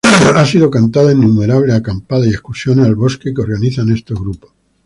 Ha sido cantada en innumerables acampadas y excursiones al bosque que organizan estos grupos.